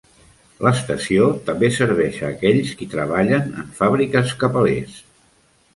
L'estació també serveix a aquells qui treballen en fàbriques cap a l'est.